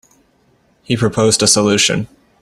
He proposed a solution.